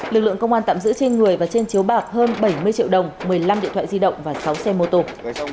lực lượng công an tạm giữ trên người và trên chiếu bạc hơn bảy mươi triệu đồng một mươi năm điện thoại di động và sáu xe mô tô